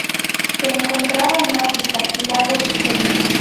Se encontraba en África: lago Victoria.